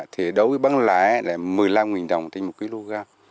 thì đối với bán lã là một mươi năm đồng tinh một kg